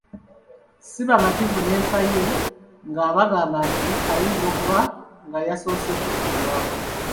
Ssi bamativu n’enfa ye nga bagamba nti ayinza okuba nga yasoose kuttibwa.